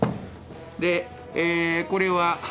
でこれは。